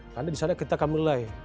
karena disana kita akan mulai